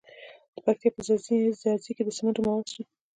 د پکتیا په ځاځي کې د سمنټو مواد شته.